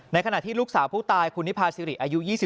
ขณะที่ลูกสาวผู้ตายคุณนิพาซิริอายุ๒๕